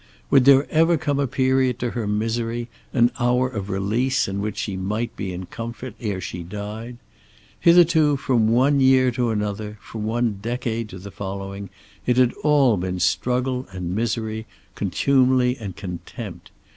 Would there ever come a period to her misery, an hour of release in which she might be in comfort ere she died? Hitherto from one year to another, from one decade to the following, it had all been struggle and misery, contumely and contempt.